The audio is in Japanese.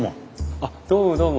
あっどうもどうも。